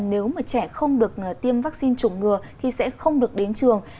nếu mà trẻ không được tiêm vắc xin chủng ngừa thì sẽ không được đến trường